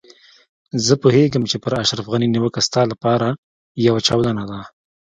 زه پوهېدم چې پر اشرف غني نيوکه ستا لپاره يوه چاودنه ده.